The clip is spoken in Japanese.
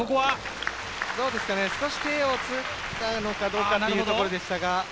少し手をついたのかなというところですが。